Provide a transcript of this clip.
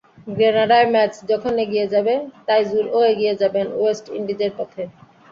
গ্রেনাডায় match যখন এগিয়ে যাবে, তাইজুলও এগিয়ে যাবেন ওয়েস্ট ইন্ডিজের পথে।